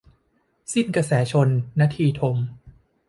สิ้นกระแสชล - นทีทม